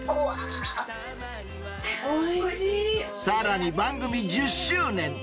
［さらに番組１０周年］